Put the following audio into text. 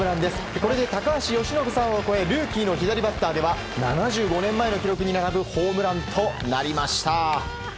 これで高橋由伸さんを超えルーキーの左バッターでは７５年前の記録に並ぶホームランとなりました。